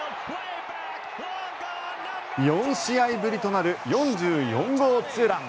４試合ぶりとなる４４号ツーラン。